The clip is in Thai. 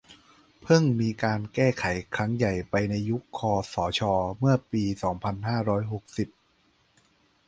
เพิ่งมีการแก้ไขครั้งใหญ่ไปในยุคคสช เมื่อปี สองพันห้าร้อยหกสิบ